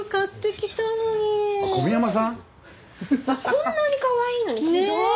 こんなにかわいいのにひどーい！